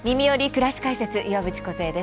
くらし解説」岩渕梢です。